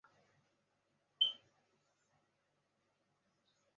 这些设备通常采用磁探测器确定杆的位置。